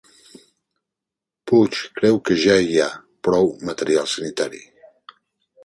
Puig creu que ja hi ha prou material sanitari